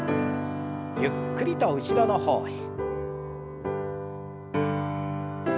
ゆっくりと後ろの方へ。